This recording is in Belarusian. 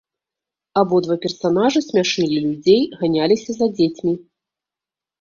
Абодва персанажы смяшылі людзей, ганяліся за дзецьмі.